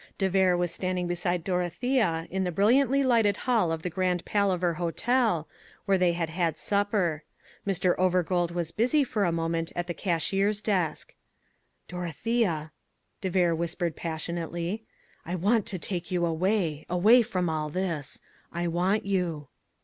De Vere was standing beside Dorothea in the brilliantly lighted hall of the Grand Palaver Hotel, where they had had supper. Mr. Overgold was busy for a moment at the cashier's desk. "Dorothea," de Vere whispered passionately, "I want to take you away, away from all this. I want you."